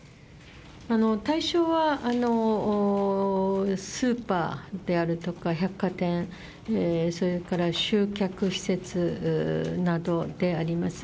対象はスーパーであるとか百貨店、それから集客施設などであります。